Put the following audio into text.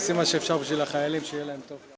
kami melakukan apa yang bisa untuk para militer